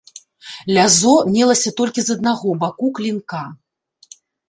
Лязо мелася толькі з аднаго баку клінка.